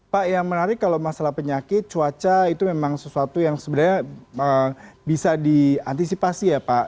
pak yang menarik kalau masalah penyakit cuaca itu memang sesuatu yang sebenarnya bisa diantisipasi ya pak